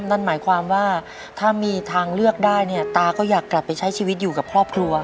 นั่นหมายความว่าถ้ามีทางเลือกได้เนี่ยตาก็อยากกลับไปใช้ชีวิตอยู่กับครอบครัว